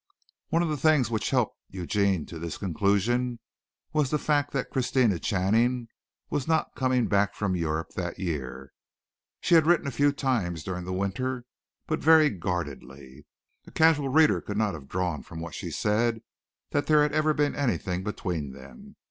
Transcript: One of the things which helped Eugene to this conclusion was the fact that Christina Channing was not coming back from Europe that year. She had written a few times during the winter, but very guardedly. A casual reader could not have drawn from what she said that there had ever been anything between them.